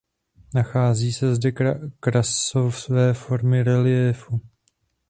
Nachází se zde krasové formy reliéfu.